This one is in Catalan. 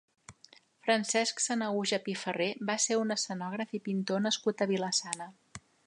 Francesc Sanahuja Pifarré va ser un escenògraf i pintor nascut a Vila-sana.